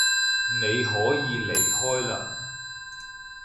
你可以離開嘞